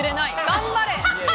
頑張れ！